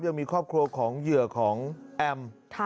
ยังมีครอบครัวของเหยื่อของแอม